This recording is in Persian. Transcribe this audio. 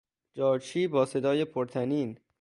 جارچی با صدای پر طنین